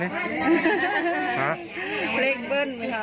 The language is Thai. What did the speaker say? เลขเบิ้ล